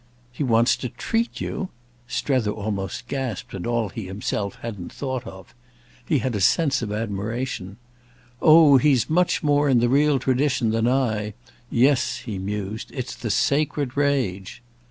"He wants to 'treat' you?" Strether almost gasped at all he himself hadn't thought of. He had a sense of admiration. "Oh he's much more in the real tradition than I. Yes," he mused, "it's the sacred rage."